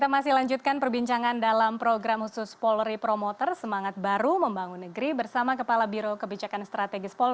mengarah ke positif